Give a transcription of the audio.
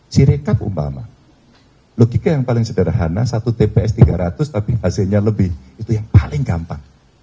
ciricap umpama logika yang paling sederhana satu tps tiga ratus tapi hasilnya lebih itu yang paling gampang